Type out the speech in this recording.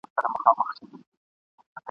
درته ایښي د څپلیو دي رنګونه ..